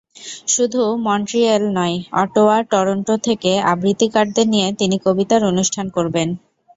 শুধু মন্ট্রিয়েল নয়, অটোয়া-টরন্টো থেকে আবৃত্তিকারদের নিয়ে তিনি কবিতার অনুষ্ঠান করবেন।